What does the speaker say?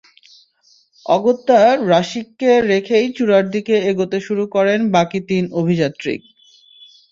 অগত্যা রাশিককে রেখেই চূড়ার দিকে এগোতে শুরু করেন বাকি তিন অভিযাত্রী।